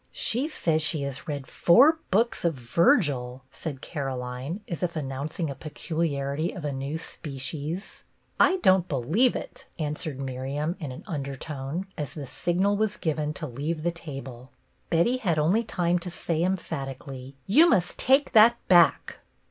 " She says she has read four books of Virgil," said Caroline, as if announcing a peculiarity of a new species. " I don't believe it," answered Miriam, in an undertone, as the signal was given to leave the table. Betty had only time to say emphatically, —" You must take that back."